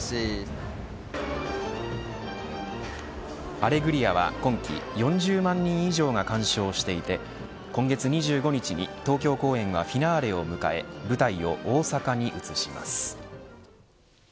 アレグリアは今季４０万人以上が鑑賞していて今月２５日に東京公演はフィナーレを迎え舞台を大阪に移します。